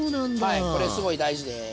はいこれすごい大事です。